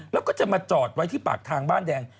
แล้วก็จะมาจอดไว้ที่ปากทางบ้านแดง